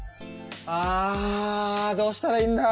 あどうしたらいいんだ。